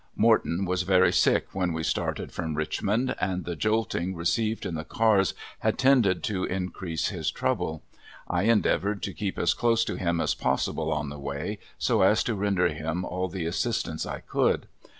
Morton was very sick when we started from Richmond, and the jolting received in the cars had tended to increase his trouble. I endeavored to keep as close to him as possible on the way, so as to render him all the assistance I could.